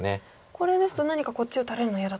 これですと何かこっち打たれるの嫌だったと？